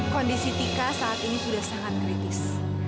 kondisi tika saat ini sudah sangat kritis